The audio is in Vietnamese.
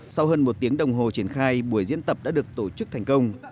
sau hơn một tiếng đồng hồ triển khai buổi diễn tập đã được tổ chức thành công